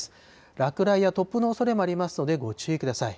落雷や突風のおそれもありますので、ご注意ください。